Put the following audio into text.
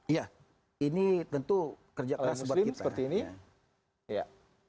iya ini tentu kerja keras kita